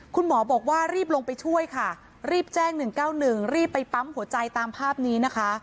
คุณหมอบอกว่ารีบลงไปช่วยค่ะรีบแจ้ง๑๙๑รีบไปปั๊มหัวใจตามภาพนี้นะคะ